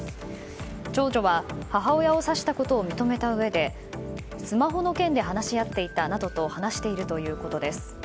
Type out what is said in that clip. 長女は母親を刺したことを認めたうえでスマホの件で話し合っていたなどと話しているということです。